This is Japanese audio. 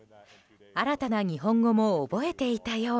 新たな日本語も覚えていたよう。